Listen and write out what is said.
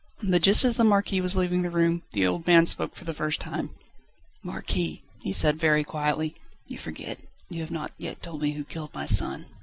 But just as the Marquis was leaving the room, the old man spoke for the first time. "Marquis," he said very quietly, "you forget you have not yet told me who killed my son."